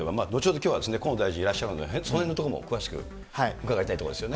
きょうは河野大臣いらっしゃるので、そのへんのところも詳しく伺いたいところですよね。